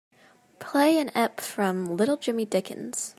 Play an ep from Little Jimmy Dickens.